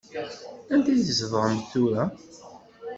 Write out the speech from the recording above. Anda i tzedɣemt tura?